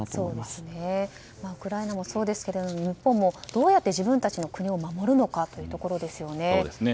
ウクライナもそうですが日本もどうやって自分たちの国を守るのかというところですよね。